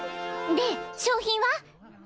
で賞品は？